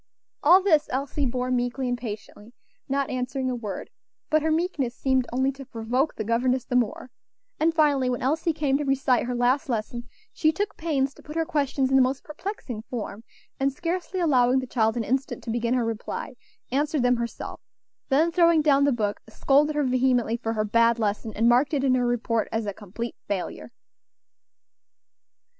All this Elsie bore meekly and patiently, not answering a word; but her meekness seemed only to provoke the governess the more; and finally, when Elsie came to recite her last lesson, she took pains to put her questions in the most perplexing form, and scarcely allowing the child an instant to begin her reply, answered them herself; then, throwing down the book, scolded her vehemently for her bad lesson, and marked it in her report as a complete failure.